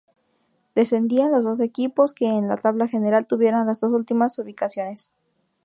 Descendían los dos equipos que en la tabla general tuvieran las dos últimas ubicaciones.